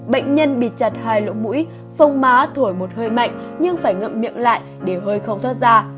bệnh nhân bị chặt hai lỗ mũi phông má thổi một hơi mạnh nhưng phải ngậm miệng lại để hơi không thoát ra